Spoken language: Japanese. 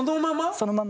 そのまま。